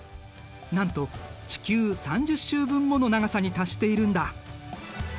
なんと地球３０周分もの長さに達しているんだ。